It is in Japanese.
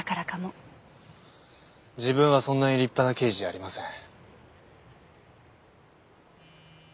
自分はそんなに立派な刑事じゃありません。